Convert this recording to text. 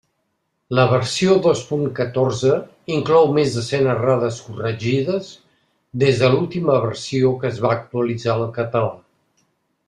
La versió dos punt catorze inclou més de cent errades corregides des de l'última versió que es va actualitzar al català.